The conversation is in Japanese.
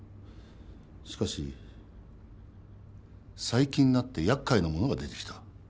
しかし最近になって厄介なものが出てきた。